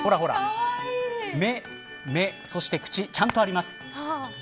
目、目そして口ちゃんとあります。